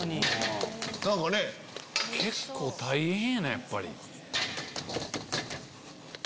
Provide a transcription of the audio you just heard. ・確かに・結構大変やなやっぱり。